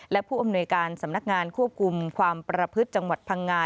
และผู้อำนวยการสำนักงานควบคุมความประพฤติจังหวัดพังงา